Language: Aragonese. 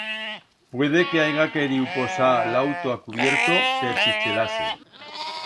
Puede que haiga queriu posar l'auto a cubierto per si chelase.